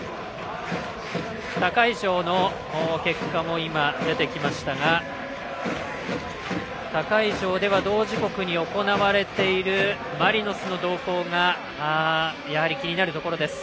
他会場の結果も出てきましたが同時刻に行われているマリノスの動向がやはり気になるところです。